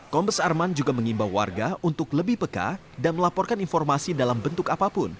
kombes arman juga mengimbau warga untuk lebih peka dan melaporkan informasi dalam bentuk apapun